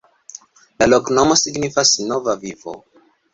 La loknomo signifas: Nova Vivo.